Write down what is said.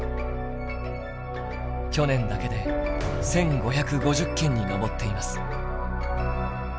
去年だけで１，５５０件に上っています。